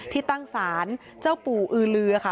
ที่ตั้งศาลเจ้าปู่อือลือค่ะ